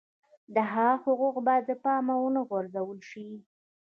د هغه حقوق باید له پامه ونه غورځول شي.